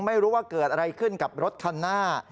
ไม่รู้ว่าเกิดอะไรขึ้นกับรถคันหน้า